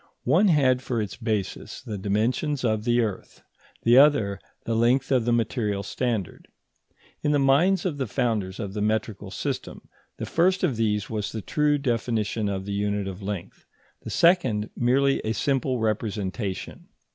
One had for its basis the dimensions of the earth, the other the length of the material standard. In the minds of the founders of the metrical system, the first of these was the true definition of the unit of length, the second merely a simple representation.